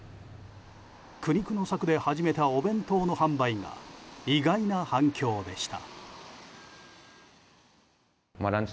苦肉の策で始めたお弁当の販売が意外な反響でした。